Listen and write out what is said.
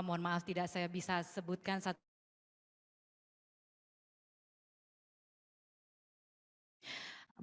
mohon maaf tidak saya bisa sebutkan satu kali